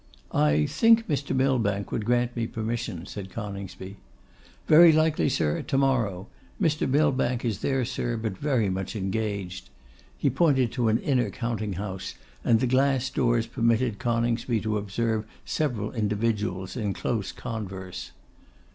'I think Mr. Millbank would grant me permission,' said Coningsby. 'Very likely, sir; to morrow. Mr. Millbank is there, sir, but very much engaged.' He pointed to an inner counting house, and the glass doors permitted Coningsby to observe several individuals in close converse.